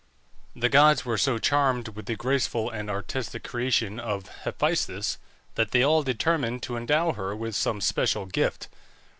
The gods were so charmed with the graceful and artistic creation of Hephæstus, that they all determined to endow her with some special gift.